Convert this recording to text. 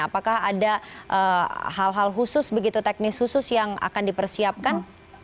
apakah ada hal hal khusus begitu teknis khusus yang akan dipersiapkan